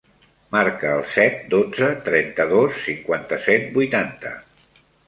Marca el set, dotze, trenta-dos, cinquanta-set, vuitanta.